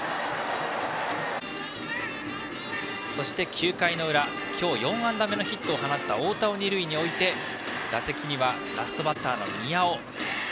そして９回の裏今日４安打目のヒットを放った太田を二塁に置いて打席にはラストバッターの宮尾。